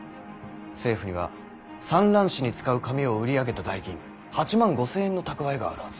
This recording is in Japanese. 政府には蚕卵紙に使う紙を売り上げた代金８万５，０００円の蓄えがあるはず。